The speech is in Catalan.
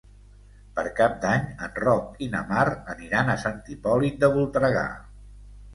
Per Cap d'Any en Roc i na Mar aniran a Sant Hipòlit de Voltregà.